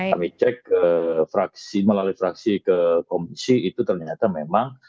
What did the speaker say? kami cek ke fraksi melalui fraksi ke komisi itu ternyata memang